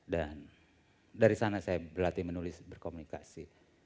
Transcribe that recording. dan dari sana saya berlatih menulis berkomunikasi